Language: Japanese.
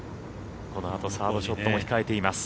このあとサードショットも控えています。